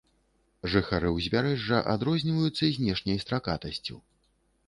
Жыхары ўзбярэжжа адрозніваюцца знешняй стракатасцю.